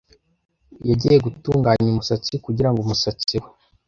Yagiye gutunganya umusatsi kugirango umusatsi we.